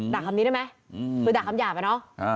ด่าคำนี้ได้เลยมั้ยว๋ยด่าคำหยาบอะน้อย